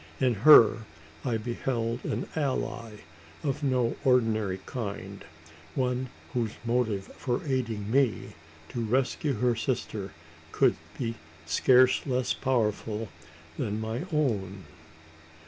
In her I beheld an ally of no ordinary kind one whose motive for aiding me to rescue her sister, could be scarce less powerful than my own.